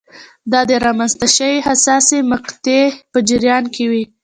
دا د رامنځته شوې حساسې مقطعې په جریان کې وې.